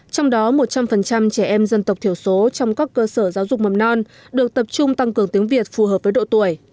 trong đó một trăm linh trẻ em dân tộc thiểu số trong các cơ sở giáo dục mầm non được tập trung tăng cường tiếng việt phù hợp với độ tuổi